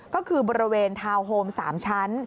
ก็คือบริเวณทาวน์โฮม๓ชั้น